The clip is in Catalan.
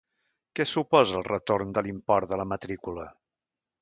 Què suposa el retorn de l'import de la matrícula?